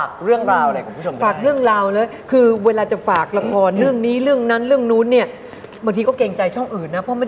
คุณจิ๊กเล่นโซเชียลไหมคะแบตอีเจอร์แฟสบุ๊คเนี่ยเล่นไลน์ไหมคะฝืดไลน์